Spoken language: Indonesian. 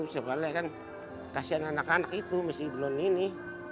sebalik kan kasihan anak anak itu masih belum ini